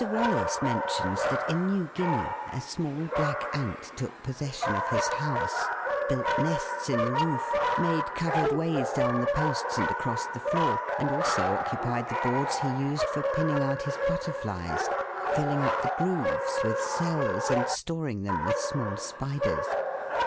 Wallace mentions that in New Guinea, a small black ant took possession of his house, built nests in the roof, made covered ways down the posts and across the floor, and also occupied the boards he used for pinning out his butterflies, filling up the grooves with cells and storing them with small spiders.